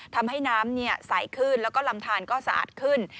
ทำให้น้ำใสขึ้นแล้วก็ลำทานก็สะอาดขึ้น